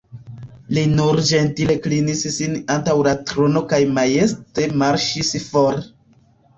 Li nur ĝentile klinis sin antaŭ la trono kaj majeste marŝis for.